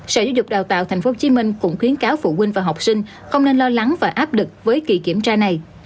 sở dục đào tạo tp hcm cũng khuyến cáo phụ huynh và học sinh không nên lo lắng và áp lực với kỳ kiểm tra này